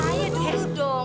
saya dulu dong